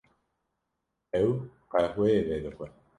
Ew qehweyê vedixwe.